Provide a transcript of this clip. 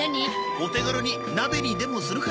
お手軽に鍋にでもするか。